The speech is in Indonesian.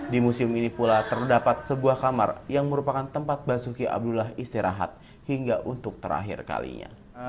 di museum ini pula terdapat sebuah kamar yang merupakan tempat basuki abdullah istirahat hingga untuk terakhir kalinya